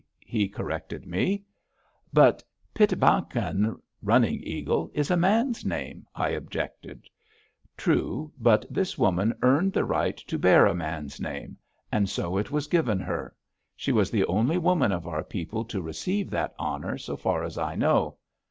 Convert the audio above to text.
he corrected me. "But Pi´tamakan (Running Eagle) is a man's name," I objected. "True. But this woman earned the right to bear a man's name, and so it was given her. She was the only woman of our people to receive that honor, so far as I know.